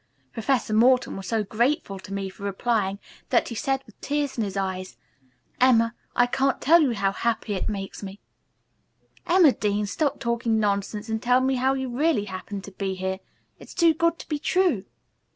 Professor Morton was so grateful to me for applying that he said with tears in his eyes, 'Emma, I can't tell you how happy it makes me '" "Emma Dean, stop talking nonsense and tell me how you really happened to be here. It's too good to be true."